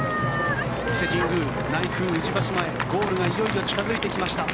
伊勢神宮内宮宇治橋前ゴールがいよいよ近付いてきました。